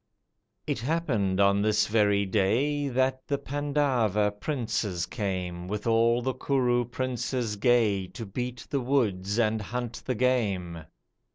It happened on this very day That the Pandava princes came With all the Kuru princes gay To beat the woods and hunt the game.